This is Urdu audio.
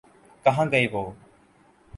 کہاں گئے وہ؟